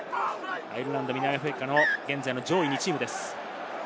アイルランド、南アフリカの上位２チームです。